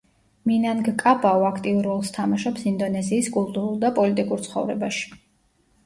მინანგკაბაუ აქტიურ როლს თამაშობს ინდონეზიის კულტურულ და პოლიტიკურ ცხოვრებაში.